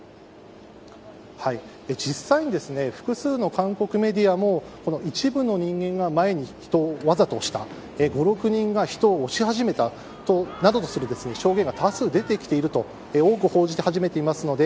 実際に複数の韓国メディアも一部の人間が前に人をわざと押した５、６人が人を押し始めたという証言が多数出てきていると多く報じていますので